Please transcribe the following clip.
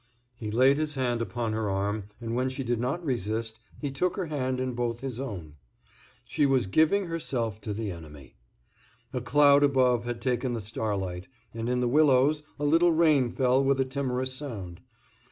He laid his hand upon her arm, and when she did not resist, he took her hand in both his own. She was giving herself to the enemy. A cloud above had taken the starlight, and in the willows a little rain fell with a timorous sound.